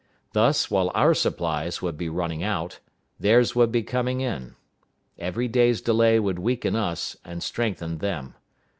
Thus, while our supplies would be running out, theirs would be coming in. Every day's delay would weaken us and strengthen them.